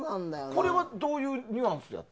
これはどういうニュアンスで？